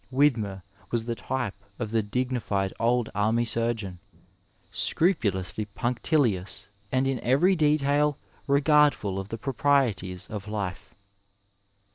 Widmer was the type of the dignified old army surgeon, scrupulously punctilious and in every detail regardful of the proprieties of life.